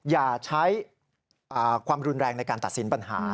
อย่าใช้ความรุนแรงในการตัดสินปัญหา